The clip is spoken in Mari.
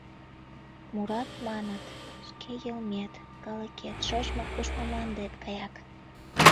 Мурат, маныт, шке йылмет, калыкет, шочмо-кушмо мландет гаяк.